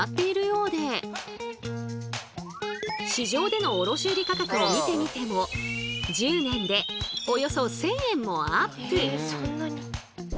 市場での卸売価格を見てみても１０年でおよそ１０００円もアップ！